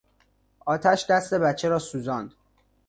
آتش دست بچه را سوزاند.